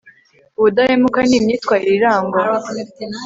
ubudahemuka ni imyitwarire irangwa